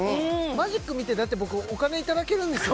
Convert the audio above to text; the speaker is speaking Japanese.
マジックを見てお金いただけるんですよ。